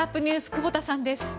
久保田さんです。